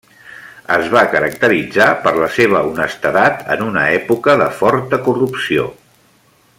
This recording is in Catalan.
Es va caracteritzar per la seva honestedat en una època de forta corrupció.